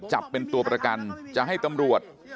จับเป็นตัวประกันจะให้ตำรวจ